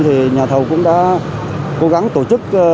thì nhà thầu cũng đã cố gắng tổ chức